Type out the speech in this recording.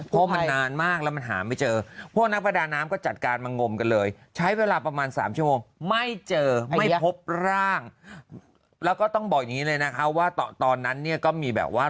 เพราะมันนานมากแล้วมันหาไม่เจอพวกนักประดาน้ำก็จัดการมางมกันเลยใช้เวลาประมาณ๓ชั่วโมงไม่เจอไม่พบร่างแล้วก็ต้องบอกอย่างนี้เลยนะคะว่าตอนนั้นเนี่ยก็มีแบบว่า